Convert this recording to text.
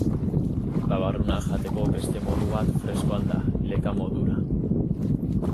Babarrunak jateko beste modu bat freskoan da, leka modura.